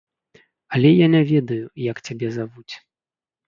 Але я не ведаю, як цябе завуць.